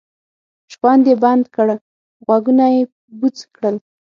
شخوند یې بند کړ غوږونه یې بوڅ کړل.